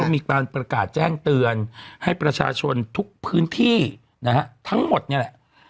มีการประกาศแจ้งเตือนให้ประชาชนทุกพื้นที่นะฮะทั้งหมดนี่แหละ